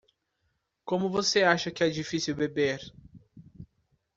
Como você acha que é difícil beber?